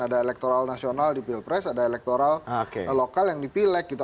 ada elektoral nasional di pilpres ada elektoral lokal yang dipilek gitu